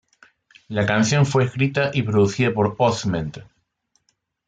La canción fue escrita y producida por Osment.